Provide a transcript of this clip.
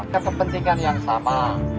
kepentingan yang sama